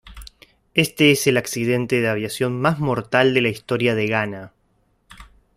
Este es el accidente de aviación más mortal de la historia de Ghana.